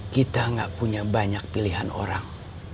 kita gak punya banyak pilihan orang